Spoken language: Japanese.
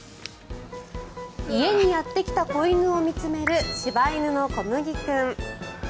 家にやってきた子犬を見つめる、柴犬のこむぎ君。